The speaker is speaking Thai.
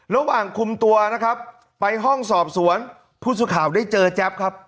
ระหว่างคุมตัวนะครับไปห้องสอบสวนผู้สื่อข่าวได้เจอแจ๊บครับ